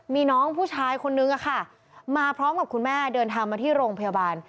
มีน้องผู้ชายคนนึงอะค่ะมาพร้อมกับคุณแม่เดินทางมาที่โรงพยาบาล